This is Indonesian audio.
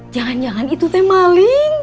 jangan jangan itu teh maling